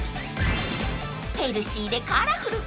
［ヘルシーでカラフル！